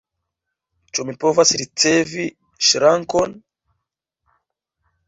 Ĉu mi povas ricevi ŝrankon?